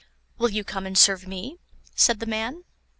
"Will you come and serve me?" said the man.